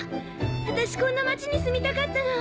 私こんな町に住みたかったの。